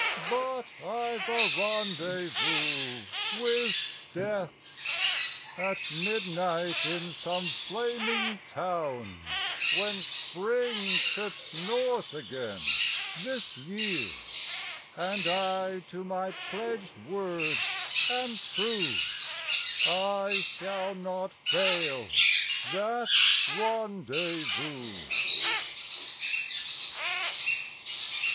. But I've a rendezvous with Death At midnight in some flaming town, When Spring trips north again this year, And I to my pledged word am true, I shall not fail that rendezvous.